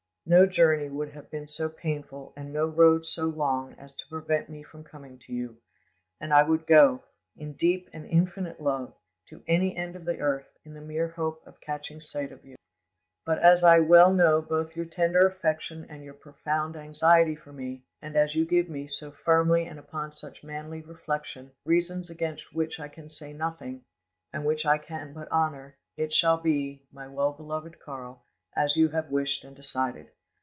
No journey would have been so painful and no road so long as to prevent me from coming to you, and I would go, in deep and infinite love, to any end of the earth in the mere hope of catching sight of you. "But, as I well know both your tender affection and your profound anxiety for me, and as you give me, so firmly and upon such manly reflection, reasons against which I can say nothing, and which I can but honour, it shall be, my well beloved Karl, as you have wished and decided.